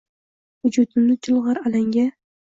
Vujudimni chulg’ar alanga